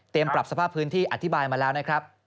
ปรับสภาพพื้นที่อธิบายมาแล้วนะครับ